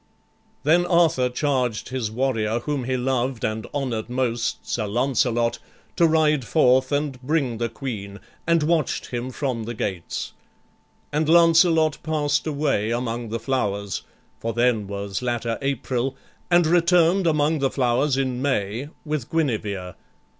Then Arthur charged his warrior whom he loved And honored most, Sir Lancelot, to ride forth And bring the Queen; and watch'd him from the gates; And Lancelot past away among the flowers, (For then was latter April) and return'd Among the flowers, in May, with Guinevere.